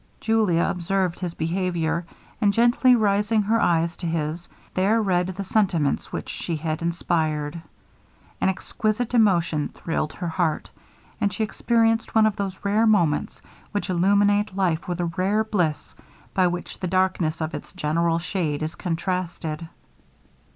Julia observed his behaviour, and gently raising her eyes to his, there read the sentiments which she had inspired. An exquisite emotion thrilled her heart, and she experienced one of those rare moments which illuminate life with a ray of bliss, by which the darkness of its general shade is contrasted.